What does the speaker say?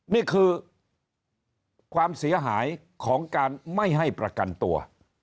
นี่คือความเสียหายของการไม่ให้ประกันตัว